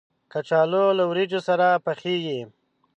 کچالو له وریجو سره پخېږي